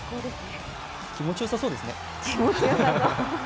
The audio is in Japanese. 気持ちよさそうですね。